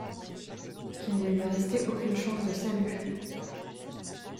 qu'il ne lui restait aucune chance de salut…